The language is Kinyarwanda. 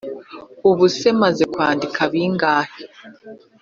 Ubuse maze kwandika bingahe